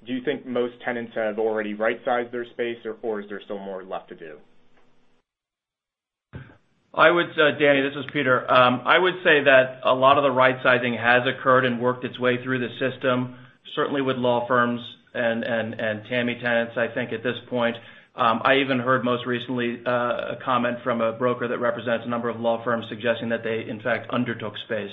Do you think most tenants have already right-sized their space, or is there still more left to do? I would say, Daniel, this is Peter. I would say that a lot of the right-sizing has occurred and worked its way through the system, certainly with law firms and TAMI tenants, I think at this point. I even heard most recently, a comment from a broker that represents a number of law firms suggesting that they in fact undertook space.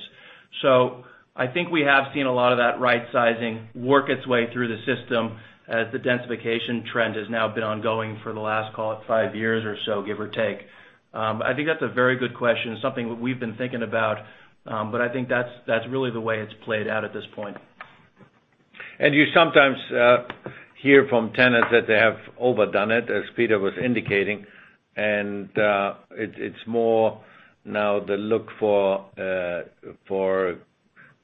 I think we have seen a lot of that right-sizing work its way through the system as the densification trend has now been ongoing for the last, call it five years or so, give or take. I think that's a very good question, something that we've been thinking about. I think that's really the way it's played out at this point. You sometimes hear from tenants that they have overdone it, as Peter was indicating. It's more now the look for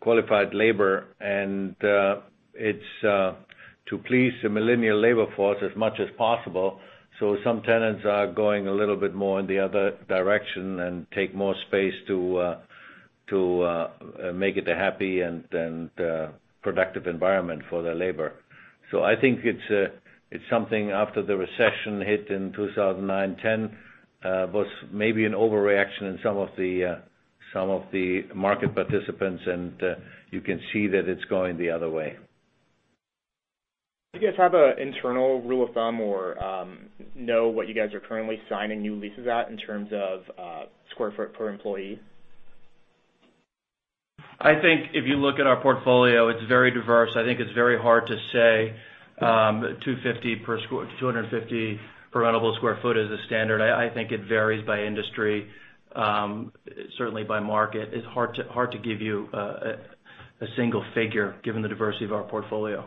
qualified labor, and it's to please the millennial labor force as much as possible. Some tenants are going a little bit more in the other direction and take more space to make it a happy and productive environment for their labor. I think it's something after the recession hit in 2009, 2010, was maybe an overreaction in some of the market participants, and you can see that it's going the other way. Do you guys have an internal rule of thumb or know what you guys are currently signing new leases at in terms of square foot per employee? I think if you look at our portfolio, it's very diverse. I think it's very hard to say 250 rentable square foot as a standard. I think it varies by industry, certainly by market. It's hard to give you a single figure given the diversity of our portfolio.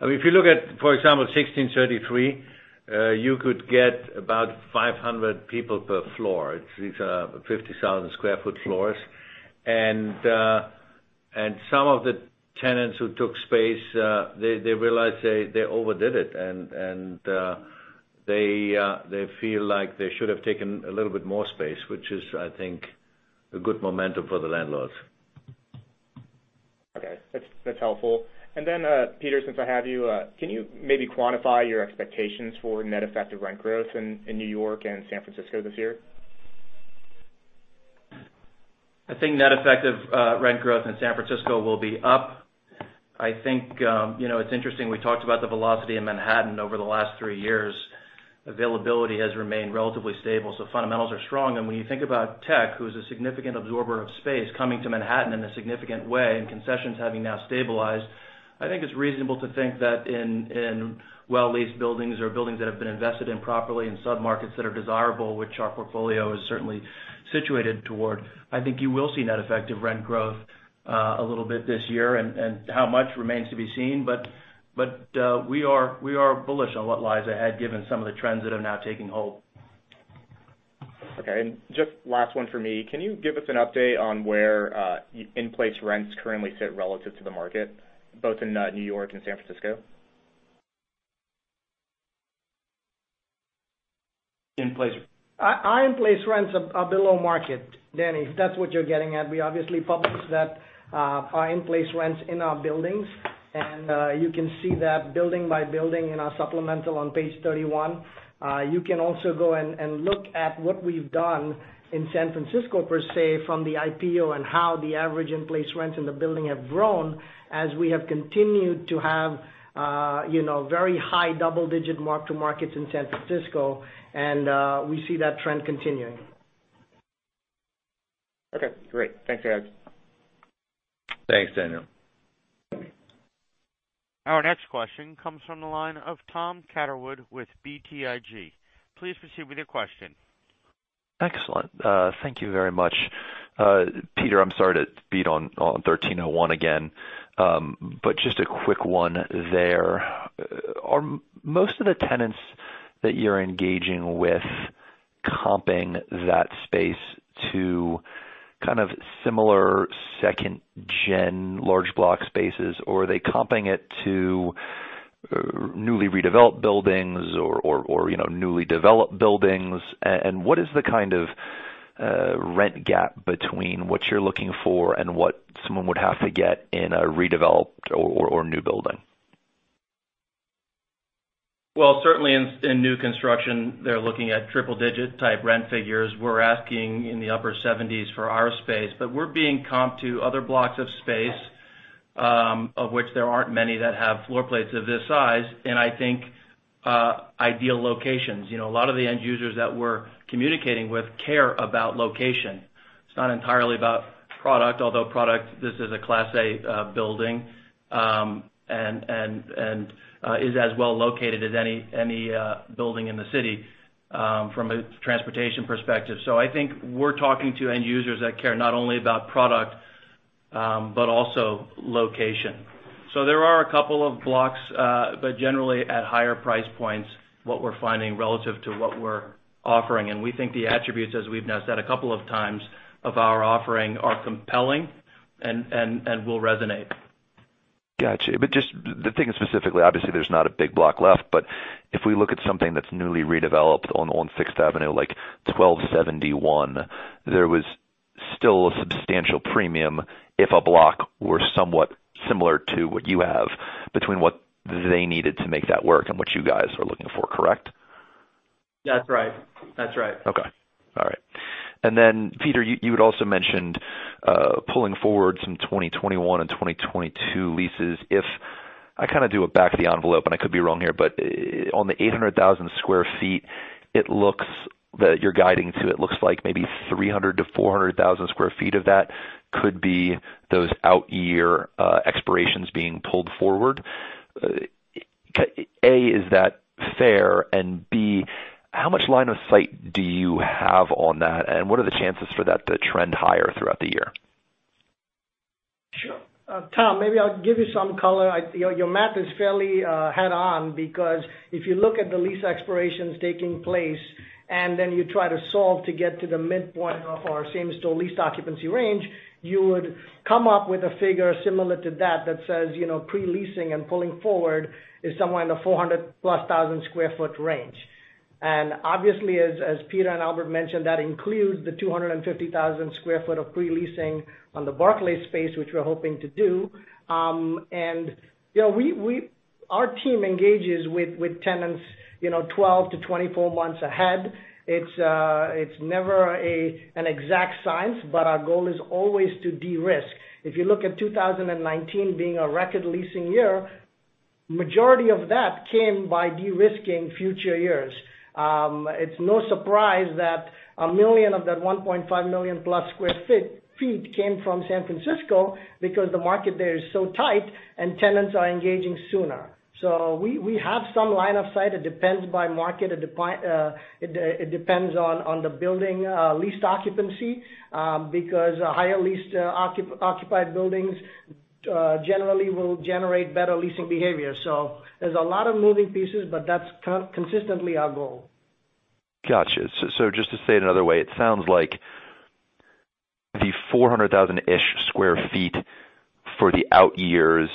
If you look at, for example, 1633, you could get about 500 people per floor. These are 50,000 sq ft floors. Some of the tenants who took space, they realized they overdid it, and they feel like they should have taken a little bit more space, which is, I think, a good momentum for the landlords. Okay. That's helpful. Peter, since I have you, can you maybe quantify your expectations for net effective rent growth in New York and San Francisco this year? I think net effective rent growth in San Francisco will be up. I think it's interesting, we talked about the velocity in Manhattan over the last three years. Availability has remained relatively stable, so fundamentals are strong. When you think about tech, who's a significant absorber of space, coming to Manhattan in a significant way, and concessions having now stabilized, I think it's reasonable to think that in well-leased buildings or buildings that have been invested in properly in sub-markets that are desirable, which our portfolio is certainly situated toward, I think you will see net effective rent growth a little bit this year. How much remains to be seen. We are bullish on what lies ahead given some of the trends that are now taking hold. Okay. Just last one for me. Can you give us an update on where in-place rents currently sit relative to the market, both in New York and San Francisco? In place? Our in-place rents are below market, Daniel, if that's what you're getting at. We obviously published that our in-place rents in our buildings, and you can see that building by building in our supplemental on page 31. You can also go and look at what we've done in San Francisco, per se, from the IPO and how the average in-place rents in the building have grown as we have continued to have very high double-digit mark-to-markets in San Francisco, and we see that trend continuing. Okay, great. Thanks, guys. Thanks, Daniel. Our next question comes from the line of Tom Catherwood with BTIG. Please proceed with your question. Excellent. Thank you very much. Peter, I'm sorry to beat on 1301 again, just a quick one there. Are most of the tenants that you're engaging with comping that space to kind of similar second gen large block spaces, or are they comping it to newly redeveloped buildings or newly developed buildings? What is the kind of rent gap between what you're looking for and what someone would have to get in a redeveloped or new building? Certainly in new construction, they're looking at triple digit type rent figures. We're asking in the upper 70s for our space, but we're being comped to other blocks of space, of which there aren't many that have floor plates of this size, and I think, ideal locations. A lot of the end users that we're communicating with care about location. It's not entirely about product, although product, this is a Class A building, and is as well located as any building in the city, from a transportation perspective. I think we're talking to end users that care not only about product, but also location. There are a couple of blocks, but generally at higher price points, what we're finding relative to what we're offering. We think the attributes, as we've now said a couple of times, of our offering are compelling and will resonate. Got you. Just the thing specifically, obviously there's not a big block left, but if we look at something that's newly redeveloped on 6th Avenue, like 1271, there was still a substantial premium if a block were somewhat similar to what you have between what they needed to make that work and what you guys are looking for. Correct? That's right. Okay. All right. Peter, you had also mentioned, pulling forward some 2021 and 2022 leases. If I do a back of the envelope, and I could be wrong here, but on the 800,000 sq ft, that you're guiding to, it looks like maybe 300,000-400,000 sq ft of that could be those out year expirations being pulled forward. A, is that fair, and B, how much line of sight do you have on that, and what are the chances for that to trend higher throughout the year? Sure. Tom, maybe I'll give you some color. Your math is fairly head on because if you look at the lease expirations taking place, and then you try to solve to get to the midpoint of our same store leased occupancy range, you would come up with a figure similar to that says pre-leasing and pulling forward is somewhere in the 400,000+ sq ft range. Obviously, as Peter and Albert mentioned, that includes the 250,000 sq ft of pre-leasing on the Barclays space, which we're hoping to do. Our team engages with tenants 12-24 months ahead. It's never an exact science, but our goal is always to de-risk. If you look at 2019 being a record leasing year, majority of that came by de-risking future years. It's no surprise that 1 million of that 1.5 million+ sq ft came from San Francisco because the market there is so tight and tenants are engaging sooner. We have some line of sight. It depends by market, it depends on the building leased occupancy, because higher leased occupied buildings, generally will generate better leasing behavior. There's a lot of moving pieces, but that's consistently our goal. Got you. Just to say it another way, it sounds like the 400,000-ish sq ft for the out years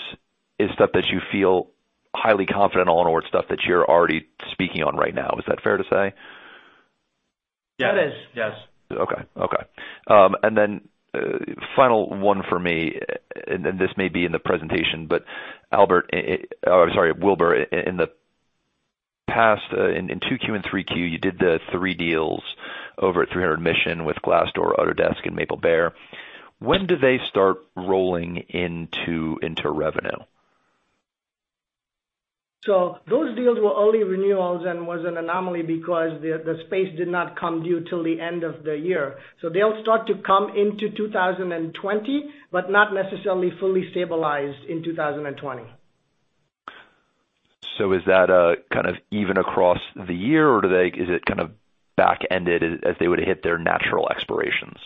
is stuff that you feel highly confident on or stuff that you're already speaking on right now. Is that fair to say? That is. Yes. Okay. Final one for me, and this may be in the presentation, but Wilbur, in the past, in 2Q and 3Q, you did the three deals over at 300 Mission with Glassdoor, Autodesk, and Maplebear Inc.. When do they start rolling into revenue? Those deals were only renewals and was an anomaly because the space did not come due till the end of the year. They'll start to come into 2020, but not necessarily fully stabilized in 2020. Is that even across the year, or is it back-ended as they would hit their natural expirations?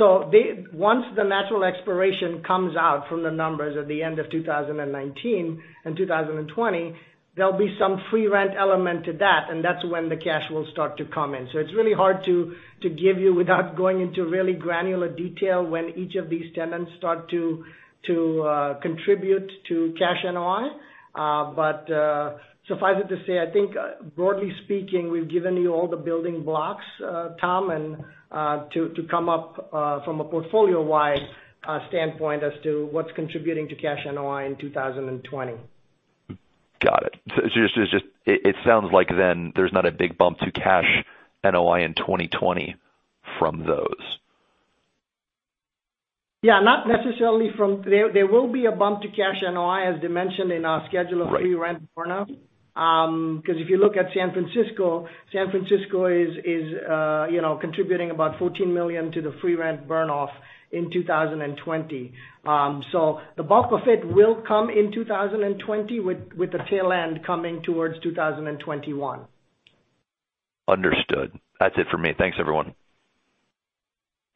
Once the natural expiration comes out from the numbers at the end of 2019 and 2020, there'll be some free rent element to that, and that's when the cash will start to come in. It's really hard to give you without going into really granular detail when each of these tenants start to contribute to cash NOI. Suffice it to say, I think broadly speaking, we've given you all the building blocks, Tom, and to come up from a portfolio-wide standpoint as to what's contributing to cash NOI in 2020. Got it. It sounds like then there's not a big bump to Cash NOI in 2020 from those. Yeah, not necessarily. There will be a bump to cash NOI as dimensioned in our schedule of free rent burn-off. If you look at San Francisco, San Francisco is contributing about $14 million to the free rent burn-off in 2020. The bulk of it will come in 2020, with the tail end coming towards 2021. Understood. That's it for me. Thanks, everyone.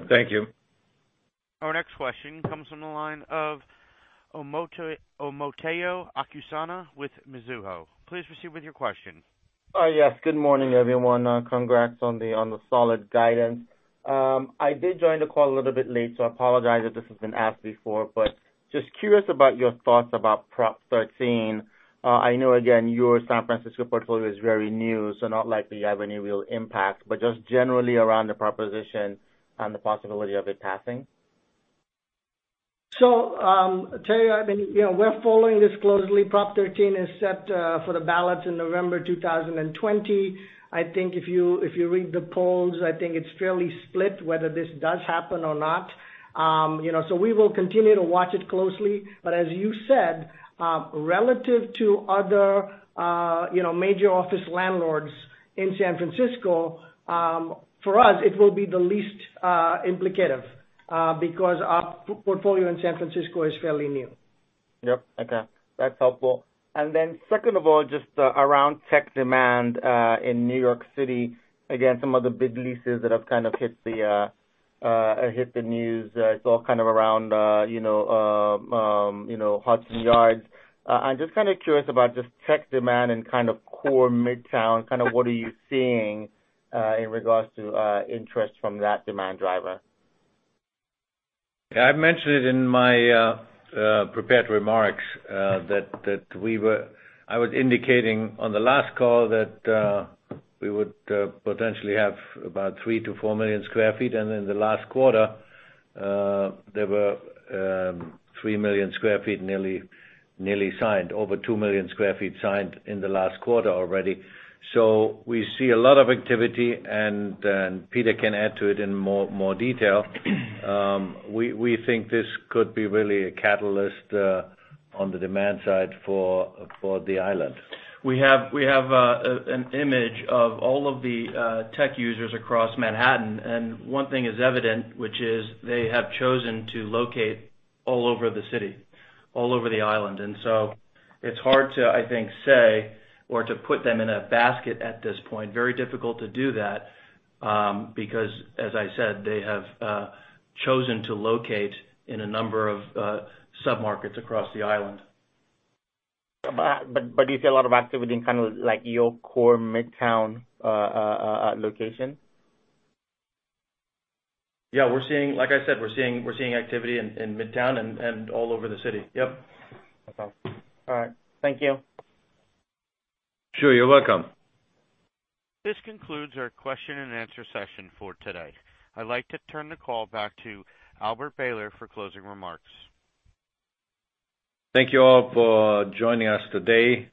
Thank you. Our next question comes from the line of Omotayo Okusanya with Mizuho. Please proceed with your question. Yes. Good morning, everyone. Congrats on the solid guidance. I did join the call a little bit late, so I apologize if this has been asked before, but just curious about your thoughts about Proposition 13. I know, again, your San Francisco portfolio is very new, so not likely to have any real impact, but just generally around the proposition and the possibility of it passing. Tayo, we're following this closely. Proposition 13 is set for the ballots in November 2020. I think if you read the polls, I think it's fairly split whether this does happen or not. We will continue to watch it closely. As you said, relative to other major office landlords in San Francisco, for us, it will be the least implicative, because our portfolio in San Francisco is fairly new. Yep. Okay, that's helpful. Second of all, just around tech demand in New York City, again, some of the big leases that have kind of hit the news, it's all kind of around Hudson Yards. I'm just kind of curious about just tech demand in kind of core Midtown, kind of what are you seeing in regards to interest from that demand driver? Yeah, I mentioned it in my prepared remarks, that I was indicating on the last call that we would potentially have about 3 million-4 million sq ft. In the last quarter, there were 3 million sq ft nearly signed. Over 2 million sq ft signed in the last quarter already. We see a lot of activity, and Peter can add to it in more detail. We think this could be really a catalyst on the demand side for the island. We have an image of all of the tech users across Manhattan, and one thing is evident, which is they have chosen to locate all over the city, all over the island. It's hard to, I think, say or to put them in a basket at this point. Very difficult to do that, because, as I said, they have chosen to locate in a number of sub-markets across the island. Do you see a lot of activity in kind of like your core Midtown location? Yeah, like I said, we're seeing activity in Midtown and all over the City. Yep. Okay. All right. Thank you. Sure, you're welcome. This concludes our question and answer session for today. I'd like to turn the call back to Albert Behler for closing remarks. Thank you all for joining us today.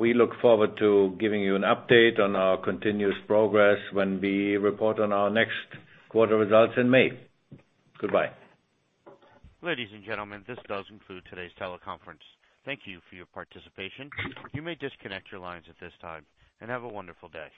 We look forward to giving you an update on our continuous progress when we report on our next quarter results in May. Goodbye. Ladies and gentlemen, this does conclude today's teleconference. Thank you for your participation. You may disconnect your lines at this time, and have a wonderful day.